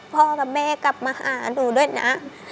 พ่อกับแม่กลับมาหาหนูด้วยนะ